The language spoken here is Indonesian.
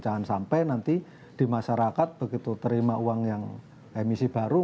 jangan sampai nanti di masyarakat begitu terima uang yang emisi baru